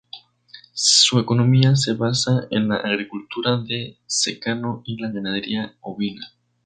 Su economía se basa en la agricultura de secano y la ganadería ovina.